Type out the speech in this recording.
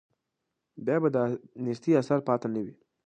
بیا به د نیستۍ اثر پاتې نه وي.